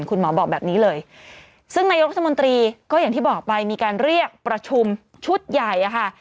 คุณหมอบอกแบบนี้เลยซึ่งนายกรัฐมนตรีก็อย่างที่บอกไปมีการเรียกประชุมชุดใหญ่อะค่ะ